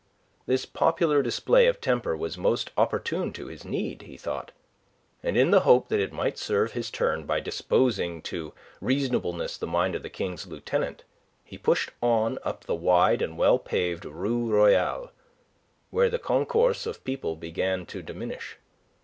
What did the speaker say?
This popular display of temper was most opportune to his need, he thought. And in the hope that it might serve his turn by disposing to reasonableness the mind of the King's Lieutenant, he pushed on up the wide and well paved Rue Royale, where the concourse of people began to diminish.